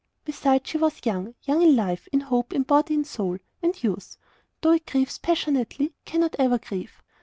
Besides, she was young young in life, in hope, in body, and soul; and youth, though it grieves passionately, cannot for ever grieve.